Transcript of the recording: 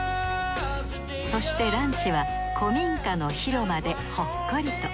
そしてランチは古民家の広間でほっこりと。